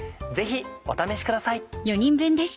ぜひお試しください。